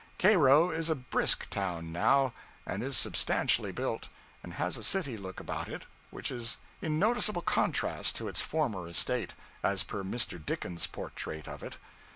Cairo is a brisk town now; and is substantially built, and has a city look about it which is in noticeable contrast to its former estate, as per Mr. Dickens's portrait of it.